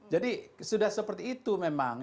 jadi sudah seperti itu memang